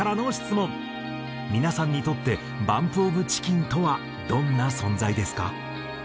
「皆さんにとってＢＵＭＰＯＦＣＨＩＣＫＥＮとはどんな存在ですか？」。